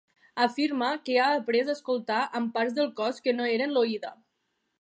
Afirma que ha après a escoltar amb parts del cos que no eren l'oïda.